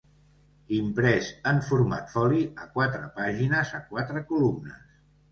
Imprès en format foli, a quatre pàgines a quatre columnes.